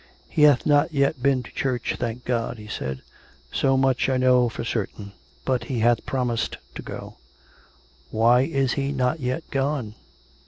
" He hath not yet been to church, thank God !" he said. " So much I know for certain. But he hath promised to go "" Why is he not yet gone